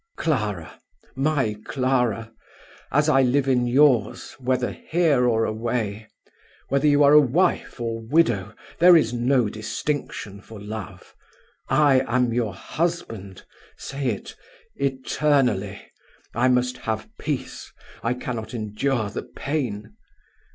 Clara! my Clara! as I live in yours, whether here or away; whether you are a wife or widow, there is no distinction for love I am your husband say it eternally. I must have peace; I cannot endure the pain.